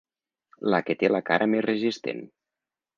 La que té la cara més resistent.